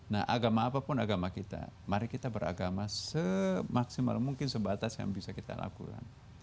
nah agama apapun agama kita mari kita beragama semaksimal mungkin sebatas yang bisa kita lakukan